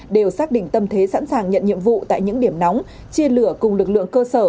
đều xác định tâm thế sẵn sàng nhận nhiệm vụ tại những điểm nóng chia lửa cùng lực lượng cơ sở